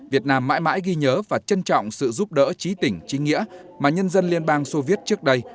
việt nam mãi mãi ghi nhớ và trân trọng sự giúp đỡ trí tỉnh trí nghĩa mà nhân dân liên bang soviet trước đây